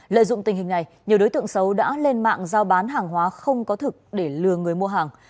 lợi dụng tình hình này nhiều đối tượng xấu đã lên mạng giao bán hàng hóa không có thực để lừa người mua hàng